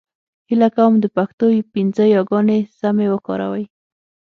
هيله کوم د پښتو پنځه يېګانې سمې کاروئ !